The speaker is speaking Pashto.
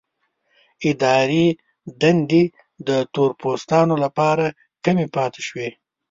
اداري دندې د تور پوستانو لپاره کمې پاتې شوې.